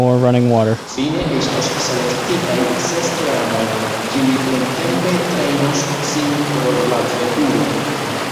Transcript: Fine estos selektitaj ses teamoj, kiuj plentempe trejnos sin por la veturo.